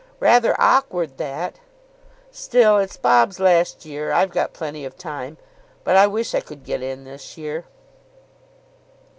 "Rather awkward, that." "Still, it's Bob's last year. I've got plenty of time. But I wish I could get in this year."